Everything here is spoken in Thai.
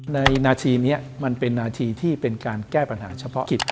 นาทีนี้มันเป็นนาทีที่เป็นการแก้ปัญหาเฉพาะกิจ